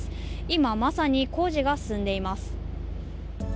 今、まさに工事が進んでいます。